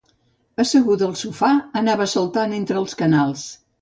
Asseguda al sofà, anava saltant entre els canals.